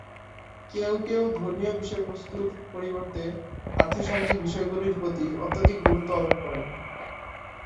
কেউ কেউ ধর্মীয় বিষয়বস্তুর পরিবর্তে আর্থ-সামাজিক বিষয়গুলির প্রতি অত্যধিক গুরুত্ব আরোপ করেন।